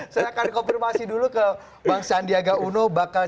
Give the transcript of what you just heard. saya akan konfirmasi dulu ke bang sandiaga uno